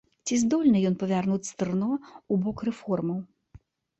Ці здольны ён павярнуць стырно ў бок рэформаў?